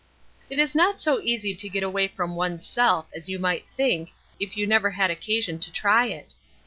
It is not so easy to get away from ones self as you might think, if you never had occasion to try it.